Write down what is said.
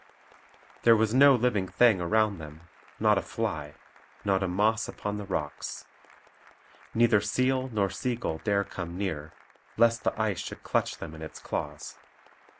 There was no living thing around them, not a fly, not a moss upon the rocks. Neither seal nor sea gull dare come near, lest the ice should clutch them in its claws.